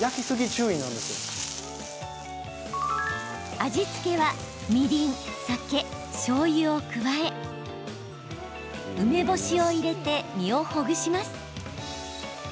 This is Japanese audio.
味付けはみりん、酒、しょうゆを加え梅干しを入れて実をほぐします。